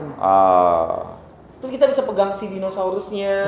terus kita bisa pegang si dinosaurusnya